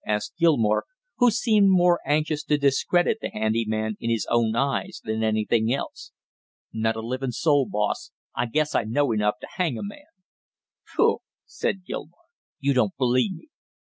asked Gilmore, who seemed more anxious to discredit the handy man in his own eyes than anything else. "Not a living soul, boss; I guess I know enough to hang a man " "Pooh!" said Gilmore. "You don't believe me?"